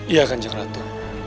iya kanjeng ratu